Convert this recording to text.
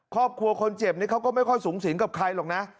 ครอบครัวคนเจ็บนี้เขาก็ไม่ค่อยสูงสิงกับใครหรอกนะ